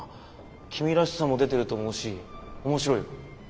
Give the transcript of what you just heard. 君らしさも出てると思うし面白いよ。